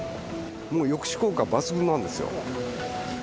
もう抑止効果は抜群なんですよ。